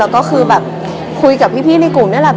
คุยกับพี่ในกลุ่ม